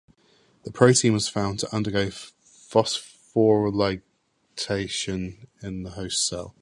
The protein was found to undergo phosphorylation in the host cell.